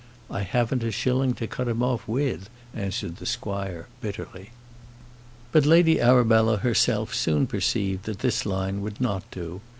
"I haven't a shilling to cut him off with," answered the squire, bitterly. But Lady Arabella herself soon perceived, that this line would not do.